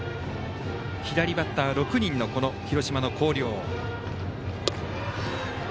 左バッターが６人の広島の広陵。